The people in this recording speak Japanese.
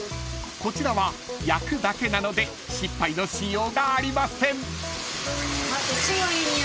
こちらは焼くだけなので失敗のしようがありません］